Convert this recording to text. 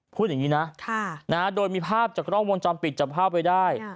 พูดแบบนี้นะโดยมีภาพจากกระโลกวงจอมปิดจำภาพไว้ได้